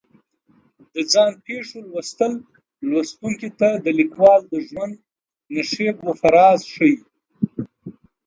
د ځان پېښو لوستل لوستونکي ته د لیکوال د ژوند نشیب و فراز ښیي.